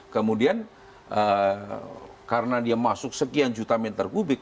kemudian karena dia masuk sekian juta meter kubik